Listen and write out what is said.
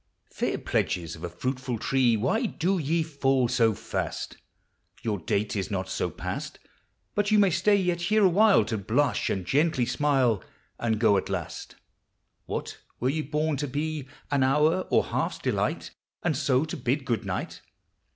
Fair pledges of a fruitful tree, Why do ye fall so fast ? Your dale is not so past But you may stay ye1 here awhile To blush and gently smile. And go ;it lasl . Wha1 ! were ye born to be An hour or half's delight. And so to bid good nighl